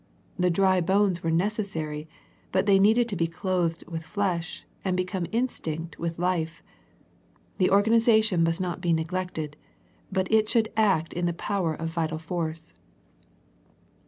The dry bones were necessary, but they needed to be ^clothed with flesh, and become instinct with life. The organization must not be neglected, but it should act in the power of vital force.